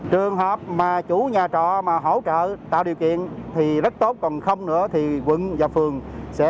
trường hợp mà chủ nhà trọ mà hỗ trợ tạo điều kiện thì rất tốt còn không nữa thì quận và phường sẽ